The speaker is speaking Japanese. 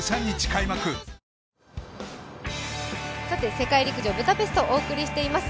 世界陸上ブダペスト、お送りしております。